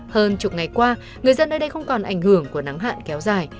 hơn chục ngày qua người dân nơi đây không còn ảnh hưởng của nắng hạn kéo dài